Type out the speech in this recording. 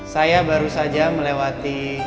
saya baru saja melewati